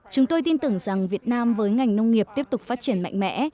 chúng tôi tin tưởng rằng việt nam với ngành nông nghiệp tiếp tục phát triển mạnh mẽ